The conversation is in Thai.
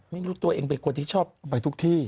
ไม่รู้ตัวเองเป็นคนที่ชอบไปทุกที่